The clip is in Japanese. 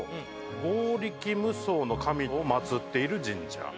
剛力無双の神を祭っている神社。